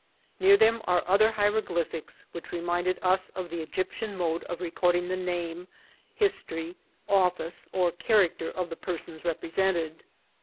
Near them are other hieroglyphics, which reminded us of the Egyptian mode for recording the name, history, office, or character of the persons represented.